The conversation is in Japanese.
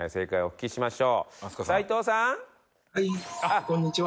「はいこんにちは」